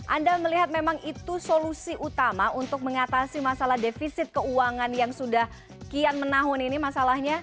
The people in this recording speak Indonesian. anda melihat memang itu solusi utama untuk mengatasi masalah defisit keuangan yang sudah kian menahun ini masalahnya